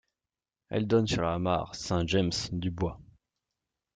Elle donne sur la mare Saint-James du bois.